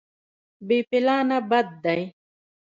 بې پلانه بد دی.